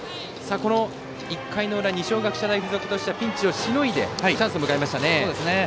この１回の裏二松学舎大付属としてはピンチをしのいでチャンスを迎えましたね。